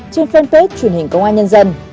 trên fanpage truyền hình công an nhân dân